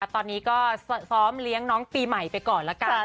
ตอนนี้ก็ซ้อมเลี้ยงน้องปีใหม่ไปก่อนละกัน